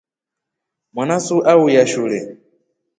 Mwanasu su auya shule.